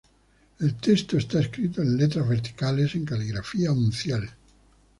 El texto está escrito en letras verticales, en caligrafía uncial.